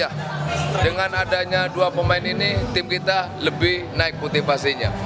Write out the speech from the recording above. ya dengan adanya dua pemain ini tim kita lebih naik motivasinya